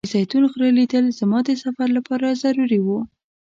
د زیتون غره لیدل زما د سفر لپاره ضروري و.